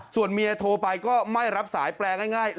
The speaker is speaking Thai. ส่วนเมียโทรไปก็ไม่รับสายแปลง่าย